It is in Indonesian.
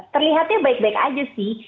terlihatnya baik baik aja sih